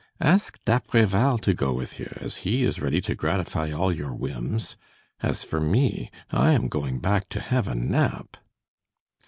Ask d'Apreval to go with you, as he is ready to gratify all your whims. As for me, I am going back to have a nap."